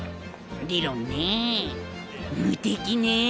理論ねぇ無敵ねぇ。